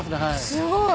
すごい。